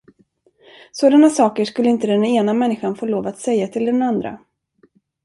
Sådana saker skulle inte den ena människan få lov att säga till den andra.